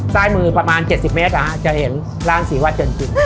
สร้ายมือประมาณเจ็ดสิบแมนอ๋าจะเห็นร้านศรีวัดเชิงจิม